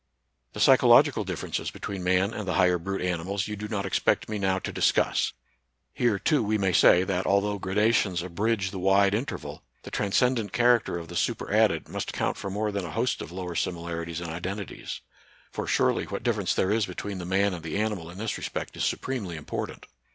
The psychological differences between man and the higher brute animals you do not expect me now to discuss. Here, too, we may say that, although gradations abridge the wide in terval, the transcendent character of the super added must count for more than a host of lower similarities and identities ; for, surely, what difference there is between the man and the animal in this respect is supremely hnpor tant.